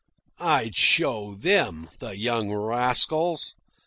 I'd show them, the young rascals.